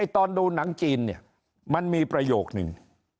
ตอนดูหนังจีนมันมีประโยคหนึ่ง